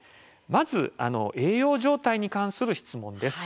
まず栄養状態に関する質問です。